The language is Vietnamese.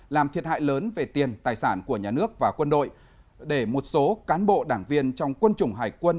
làm thiệt hại lớn về tiền tài sản của nhà nước và quân đội để một số cán bộ đảng viên trong quân chủng hải quân